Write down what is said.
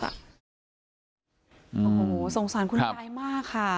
โอ้โหสงสารคุณยายมากค่ะ